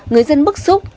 người dân bức xúc